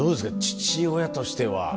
父親としては。